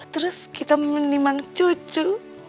terus kita menimang cucu